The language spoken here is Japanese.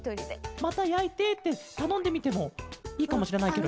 「またやいて」ってたのんでみてもいいかもしれないケロよね。